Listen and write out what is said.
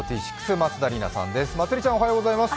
松田里奈さんです。